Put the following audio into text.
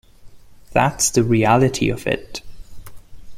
That's the reality of it.